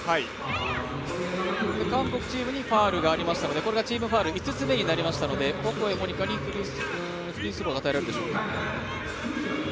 韓国チームにファウルがありましたのでこれがチームファウル５つ目になりましたのでオコエ桃仁花にフリースローが与えられるでしょうか。